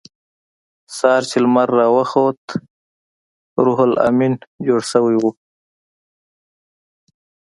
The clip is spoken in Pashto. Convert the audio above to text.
سهار چې لمر راوخوت روح لامین جوړ شوی و